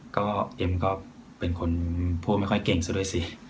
ก็เอ็มก็เป็นคนพูดไม่ค่อยเก่งซะด้วยสิ